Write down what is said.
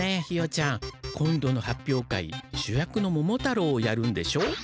ひよちゃん。今度の発表会主役の桃太郎をやるんでしょ？